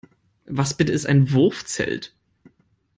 Was bitte ist ein Wurfzelt?